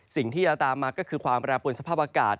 สิ่งที่จะตามมาก็คือความแปรปวนสภาพอากาศ